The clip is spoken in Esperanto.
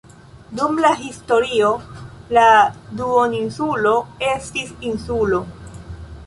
Dum la historio la duoninsulo estis insulo.